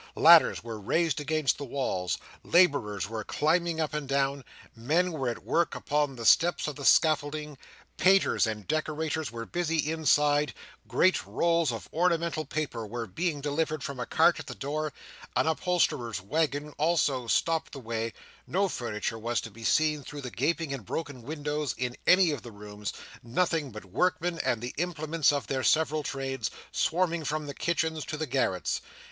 Ladders were raised against the walls; labourers were climbing up and down; men were at work upon the steps of the scaffolding; painters and decorators were busy inside; great rolls of ornamental paper were being delivered from a cart at the door; an upholsterer's waggon also stopped the way; no furniture was to be seen through the gaping and broken windows in any of the rooms; nothing but workmen, and the implements of their several trades, swarming from the kitchens to the garrets.